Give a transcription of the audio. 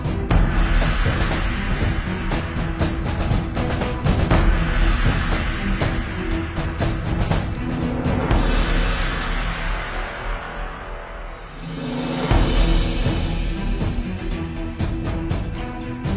เป็นสิ่งที่พวกตัวหน้าของเรา